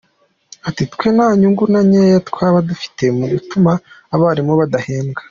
Ati “Twe nta nyungu na nkeya twaba dufite mu gutuma abarimu badahembwa.